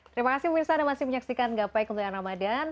terima kasih pemirsa anda masih menyaksikan gapai kemuliaan ramadhan